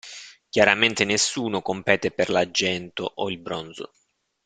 Chiaramente nessuno compete per l'Argento o il Bronzo.